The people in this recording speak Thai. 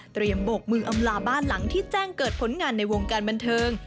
โบกมืออำลาบ้านหลังที่แจ้งเกิดผลงานในวงการบันเทิง